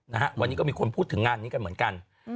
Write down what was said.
นะฮะวันนี้ก็มีคนพูดถึงงานนี้กันเหมือนกัน